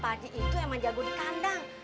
pa haji itu emang jago di kandang